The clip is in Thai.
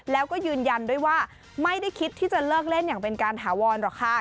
แล้วก็ยืนยันด้วยว่าไม่ได้คิดที่จะเลิกเล่นอย่างเป็นการถาวรหรอกค่ะ